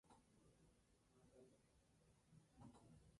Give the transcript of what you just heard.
Se trata del principal hospital de la comarca Costa del Sol Occidental.